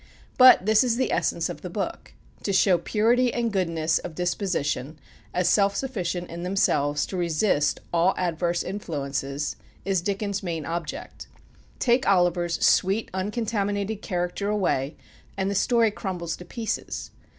But this is the essence of the book. To show purity and goodness of disposition as self sufficient in themselves to resist all adverse influences, is Dickens' main object. Take Oliver's sweet uncontaminated character away, and the story crumbles to pieces.